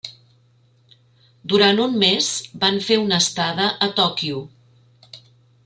Durant un mes van fer una estada a Tòquio.